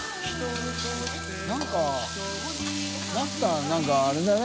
何かマスター何かあれだね。